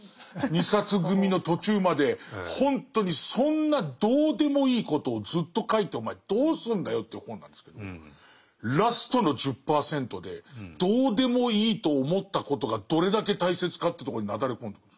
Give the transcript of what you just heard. ２冊組の途中までほんとにそんなどうでもいいことをずっと書いてお前どうすんだよっていう本なんですけどラストの１０％でどうでもいいと思ったことがどれだけ大切かというとこになだれ込んでくんですよ。